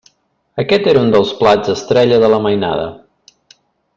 Aquest era un dels plats estrella de la mainada.